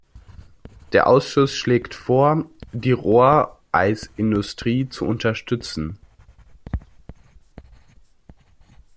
Der Ausschuss schlägt vor, die Rohreisindustrie zu unterstützen.